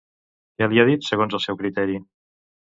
Què li ha dit segons el seu criteri?